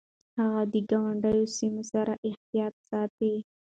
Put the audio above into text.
هغه د ګاونډي سيمو سره احتياط ساته.